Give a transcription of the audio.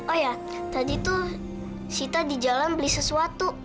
oh ya tadi tuh sita di jalan beli sesuatu